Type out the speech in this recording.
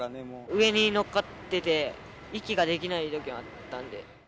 上に乗っかってて、息ができないときもあったんで。